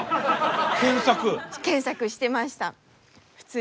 検索してました。